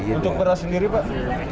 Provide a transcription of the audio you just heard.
untuk beras sendiri pak